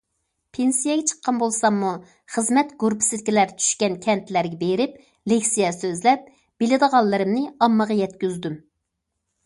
پېنسىيەگە چىققان بولساممۇ، خىزمەت گۇرۇپپىسىدىكىلەر چۈشكەن كەنتلەرگە بېرىپ لېكسىيە سۆزلەپ، بىلىدىغانلىرىمنى ئاممىغا يەتكۈزدۈم.